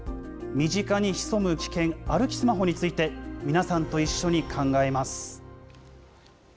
身近に潜む危険、歩きスマホについて、皆さんと一緒に考えます。